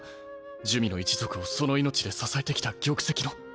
珠魅の一族をその命で支えてきた玉石の。